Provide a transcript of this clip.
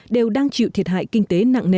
đều đang chịu thiệt hại kinh tế nặng nề